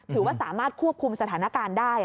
ถือว่าสามารถควบคุมสถานการณ์ได้